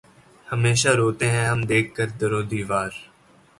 ہمیشہ روتے ہیں ہم دیکھ کر در و دیوار